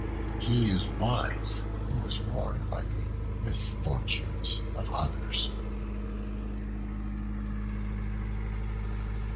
He is wise who is warned by the misfortunes of others.